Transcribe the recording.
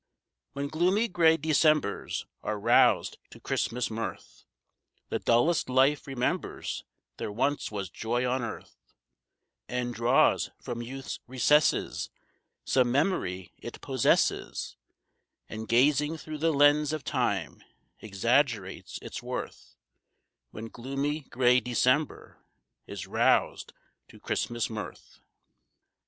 When gloomy gray Decembers are roused to Christmas mirth, The dullest life remembers there once was joy on earth, And draws from youth's recesses Some memory it possesses, And, gazing through the lens of time, exaggerates its worth, When gloomy gray December is roused to Christmas mirth.